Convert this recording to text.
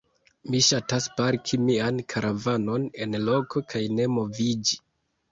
Mi ŝatas parki mian karavanon en loko kaj ne moviĝi.